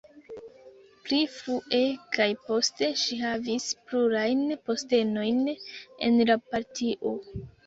Pli frue kaj poste ŝi havis plurajn postenojn en la partio.